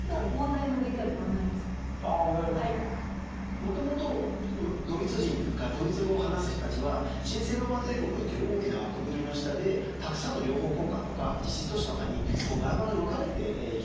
もともとドイツ人っていうかドイツ語を話す人たちは神聖ローマ帝国という大きな枠組みの下でたくさんの領邦国家とか自治都市とかにバラバラに分かれて生きていたんですね。